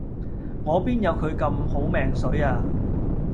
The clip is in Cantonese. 我邊有佢咁好命水呀